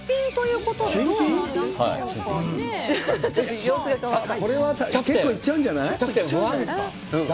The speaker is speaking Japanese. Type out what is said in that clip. これは、結構いっちゃうんじだめ？